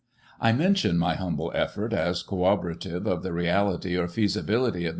* I mention my humble effort as corroborative of the reality, or feasibility of M.